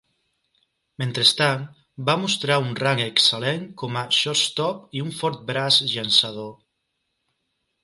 Mentrestant, va mostrar un rang excel·lent com a "shortstop" i un fort braç llançador.